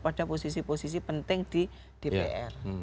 pada posisi posisi penting di dpr